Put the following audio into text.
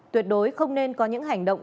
tuyệt đối không nên có những hành động